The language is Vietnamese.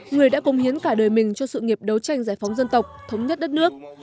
người đã công hiến cả đời mình cho sự nghiệp đấu tranh giải phóng dân tộc thống nhất đất nước